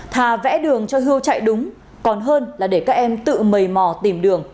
thà vẽ đường cho hưu chạy đúng còn hơn là để các em tự mầy mò tìm đường